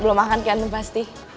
belum makan kan pasti